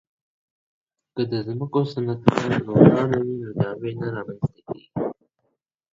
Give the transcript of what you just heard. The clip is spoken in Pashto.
که د ځمکو سندونه روښانه وي، نو دعوې نه رامنځته کیږي.